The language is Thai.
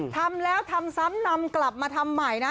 ทำแล้วทำซ้ำนำกลับมาทำใหม่นะ